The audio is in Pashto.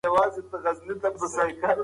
ایا په ستاسو کلي کې لا هم ګودر شته؟